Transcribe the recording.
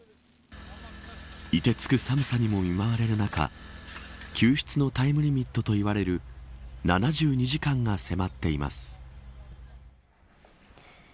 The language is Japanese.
いてつく寒さにも見舞われる中救出のタイムリミットといわれる７２時間が迫っています。